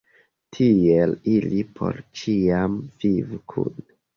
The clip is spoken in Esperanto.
Tiel ili por ĉiam vivu kune.